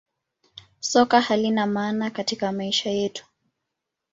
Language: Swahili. Soka halina maana katika maisha yetu